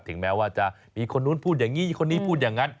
แม้ว่าจะมีคนนู้นพูดอย่างนี้คนนี้พูดอย่างนั้น